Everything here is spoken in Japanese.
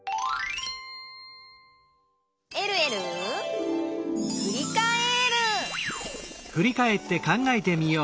「えるえるふりかえる」